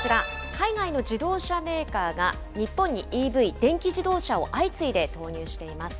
海外の自動車メーカーが、日本にＥＶ・電気自動車を相次いで投入しています。